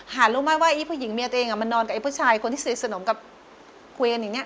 รู้ไหมว่าอีผู้หญิงเมียตัวเองมานอนกับไอ้ผู้ชายคนที่สนิทสนมกับคุยกันอย่างนี้